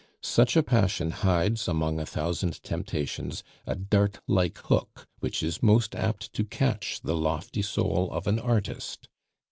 Such a passion hides among a thousand temptations a dart like hook which is most apt to catch the lofty soul of an artist.